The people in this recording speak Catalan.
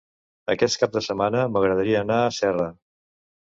Aquest cap de setmana m'agradaria anar a Serra.